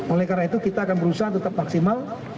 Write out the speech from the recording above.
oleh karena itu kita akan berusaha tetap maksimal